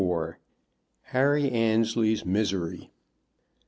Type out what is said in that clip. HARRY ANNESLEY'S MISERY.